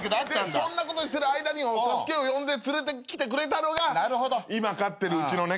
そんなことしてる間に助けを呼んで連れてきてくれたのが今飼ってるうちの猫。